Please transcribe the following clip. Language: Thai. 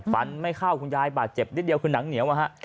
ฟันไม่เข้าคุณยายบาดเจ็บนิดเดียวคือหนังเหนียวอะฮะ